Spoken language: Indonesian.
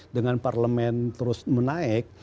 dengan parlemen terus menaik